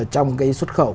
trong cái xuất khẩu